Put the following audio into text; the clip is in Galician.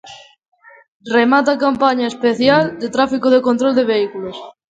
Remata a campaña especial de tráfico de control de vehículos.